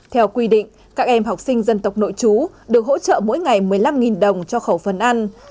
theo quy định các em học sinh dân tộc nội chú được hỗ trợ mỗi ngày một mươi năm đồng cho khẩu phần ăn